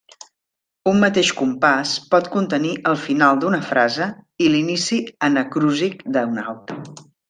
Un mateix compàs pot contenir el final d'una frase i l'inici anacrúsic d'una altra.